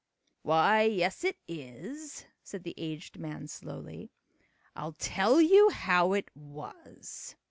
"Why, yes, it is," said the aged man slowly. "I'll tell you how it was."